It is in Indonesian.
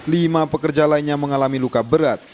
lima pekerja lainnya mengalami luka berat